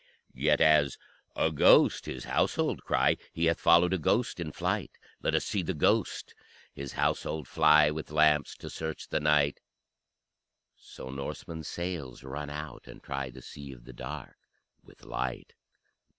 Yet as A ghost! his household cry: He hath followed a ghost in flight. Let us see the ghost his household fly With lamps to search the night So Norsemen's sails run out and try The Sea of the Dark with light.